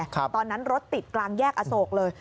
ตอนนั้นรถติดกลางแยกอโศกเลย